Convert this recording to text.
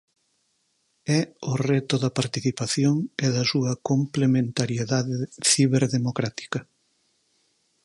É o reto da participación e da súa complementariedade ciberdemocrática.